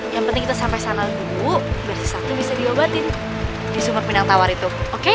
yang penting kita sampai sana dulu